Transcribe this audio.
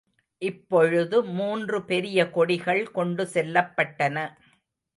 இப்பொழுது மூன்று பெரிய கொடிகள் கொண்டு செல்லப்பட்டன.